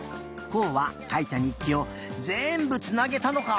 こうはかいた日記をぜんぶつなげたのか！